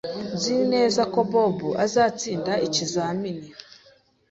Nzi neza ko Bob azatsinda ikizamini